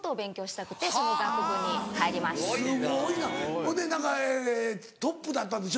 ほんで何かトップだったんでしょ？